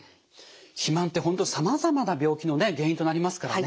肥満って本当さまざまな病気のね原因となりますからね。